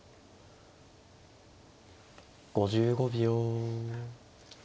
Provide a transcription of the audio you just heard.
５５秒。